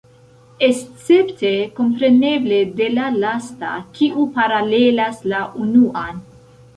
Escepte, kompreneble, de la lasta, kiu paralelas la unuan.